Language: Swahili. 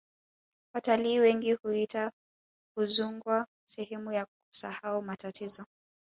watalii wengi huiita udzungwa sehemu ya kusahau matatizo